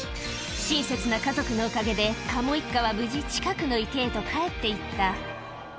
親切な家族のおかげで、カモ一家は無事近くの池へと帰っていった。